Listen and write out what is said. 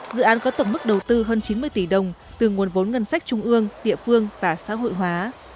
dự án có tổng mức đầu tư hơn chín mươi tỷ đồng từ nguồn vốn ngân sách trung ương địa phương và xã hội hóa